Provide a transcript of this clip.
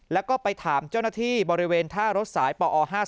แล้วก็ไปถามเจ้าหน้าที่บริเวณท่ารถสายปอ๕๓